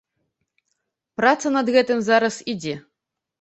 Праца над гэтым зараз ідзе.